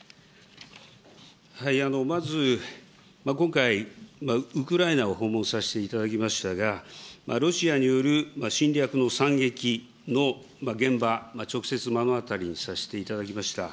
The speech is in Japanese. まず今回、ウクライナを訪問させていただきましたが、ロシアによる侵略の惨劇の現場、直接目の当たりにさせていただきました。